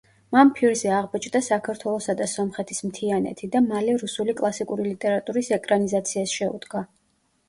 მან ფირზე აღბეჭდა საქართველოსა და სომხეთის მთიანეთი და მალე რუსული კლასიკური ლიტერატურის ეკრანიზაციას შეუდგა.